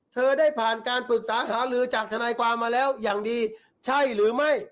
ได้ผ่านการปรึกษาหาลือจากทนายความมาแล้วอย่างดีใช่หรือไม่